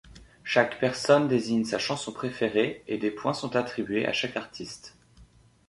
Chaque personne désigne sa chanson préférée et des points sont attribués à chaque artiste.